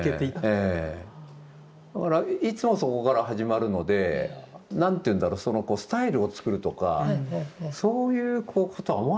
だからいつもそこから始まるのでなんて言うんだろうスタイルをつくるとかそういうことは思わないんじゃないですかね。